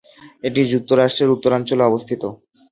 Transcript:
এটি যুক্তরাষ্ট্রের উত্তরাঞ্চলে অবস্থিত।